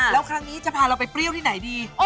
แล้วครั้งนี้จะพาเราไปเปรี้ยวที่ไหนดี